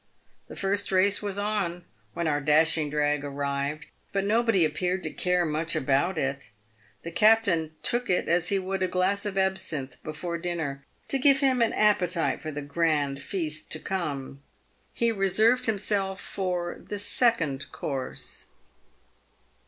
The first race was on when our dashing drag arrived, but nobody appeared to care much about it. The captain took it as he would a glass of absinth before dinner, to give him an appetite for the grand feast to come. He reserved himself for the " second course."